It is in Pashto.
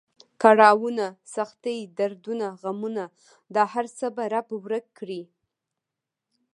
کړاونه، سختۍ، دردونه، غمونه دا هر څه به رب ورک کړي.